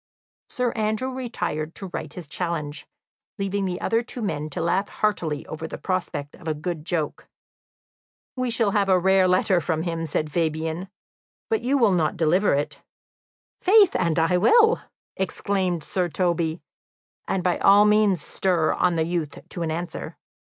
Sir Andrew retired to write his challenge, leaving the other two men to laugh heartily over the prospect of a good joke. "We shall have a rare letter from him," said Fabian, "but you will not deliver it?" "Faith, and I will!" exclaimed Sir Toby, "and by all means stir on the youth to an answer.